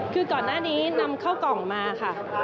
คือก่อนหน้านี้นำเข้ากล่องมาค่ะ